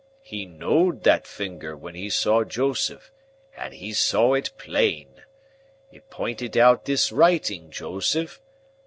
He knowed that finger when he saw Joseph, and he saw it plain. It pinted out this writing, Joseph.